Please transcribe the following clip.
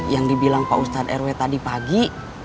yang dibilang pak ustadz rw tadi pagi